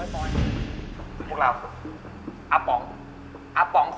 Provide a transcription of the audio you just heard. แม้สิ้นลมหายใจก็รักเธอ